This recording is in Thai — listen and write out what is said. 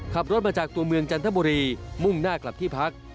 ขับรถมาจากตัวเมืองจันทบุรีมุ่งหน้ากลับที่พัก